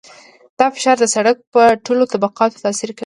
دا فشار د سرک په ټولو طبقاتو تاثیر کوي